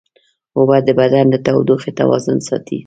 اوبه د بدن د تودوخې توازن ساتي